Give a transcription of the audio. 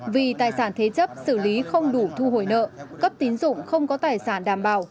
vì tài sản thế chấp xử lý không đủ thu hồi nợ cấp tín dụng không có tài sản đảm bảo